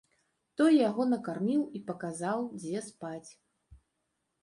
Той яго накарміў і паказаў, дзе спаць.